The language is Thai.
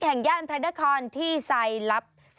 แห่งย่านพระนครที่ไซลัพธ์